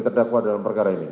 terdakwa dalam hal ini